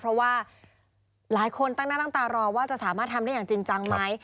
เพราะว่าหลายคนตั้งหน้าตั้งตารอว่าจะสามารถทำได้อย่างจริงจังไหม